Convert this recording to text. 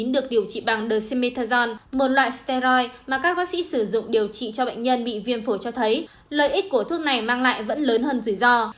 được điều trị bằng themetajon một loại stenoy mà các bác sĩ sử dụng điều trị cho bệnh nhân bị viêm phổi cho thấy lợi ích của thuốc này mang lại vẫn lớn hơn rủi ro